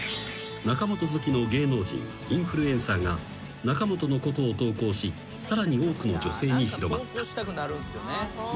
［中本好きの芸能人インフルエンサーが中本のことを投稿しさらに多くの女性に広まった］